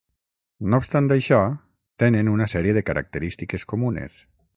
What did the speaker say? No obstant això, tenen una sèrie de característiques comunes.